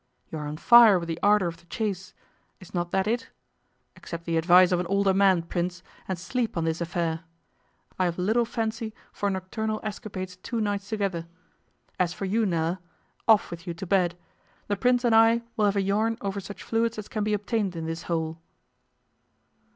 You are on fire with the ardour of the chase. Is not that it? Accept the advice of an older man, Prince, and sleep on this affair. I have little fancy for nocturnal escapades two nights together. As for you, Nella, off with you to bed. The Prince and I will have a yarn over such fluids as can be obtained in this hole.